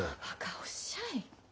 ばかおっしゃい。